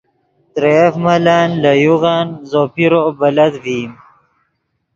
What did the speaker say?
ترے یف ملن لے یوغن زو پیرو بلت ڤئیم